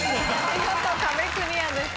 見事壁クリアです。